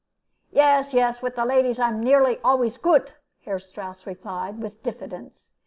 "Yes, yes, with the ladies I am nearly always goot," Herr Strouss replied, with diffidence.